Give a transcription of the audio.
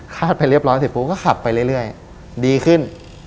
คาดไปเรียบร้อยเพราะก็ขับไปเรื่อยดีขึ้น